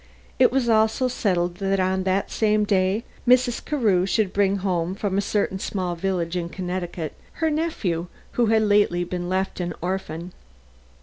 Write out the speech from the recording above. It was also settled that on the same day Mrs. Carew should bring home, from a certain small village in Connecticut, her little nephew who had lately been left an orphan.